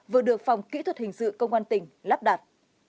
vừa được phòng kỹ thuật hình sự công an tỉnh lắp đặt